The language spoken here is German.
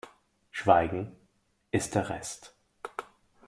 Schweigen ist der Rest.